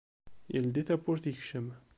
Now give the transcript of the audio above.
Yeldi tawwurt yekcem.